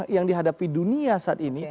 yang dihadapi dunia saat ini